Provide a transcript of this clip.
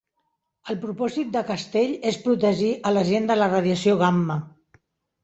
El propòsit de castell és protegir a la gent de la radiació gamma.